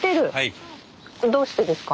どうしてですか？